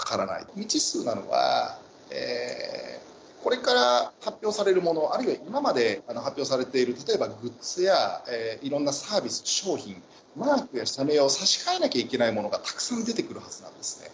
未知数なのは、これから発表されるもの、あるいは今まで発表されている、例えばグッズや、いろんなサービス、商品、マークや社名を差し替えなきゃいけないものがたくさん出てくるはずなんですね。